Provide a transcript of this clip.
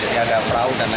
jadi ada perahu dan lain lain